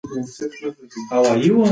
زه د بدن د حرارت ساتنې په اړه پوهېږم.